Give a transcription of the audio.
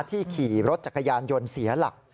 ขี่รถจักรยานยนต์เสียหลัก